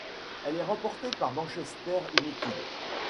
Elle est remportée par Manchester United.